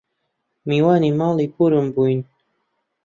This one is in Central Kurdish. میوانی ماڵی پوورم بووین